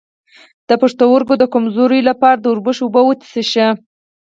د پښتورګو د کمزوری لپاره د وربشو اوبه وڅښئ